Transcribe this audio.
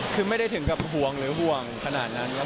คือไม่ได้ถึงกับห่วงหรือห่วงขนาดนั้นครับ